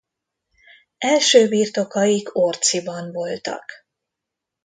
Első birtokaik Orciban voltak.